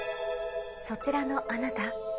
そちらのあなた